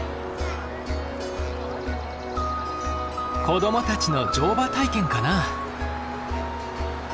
子どもたちの乗馬体験かな？